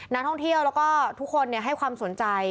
นักท่องเที่ยวแล้วก็ทุกคนให้ความสนใจ